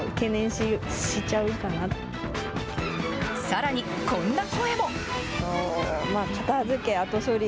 さらに、こんな声も。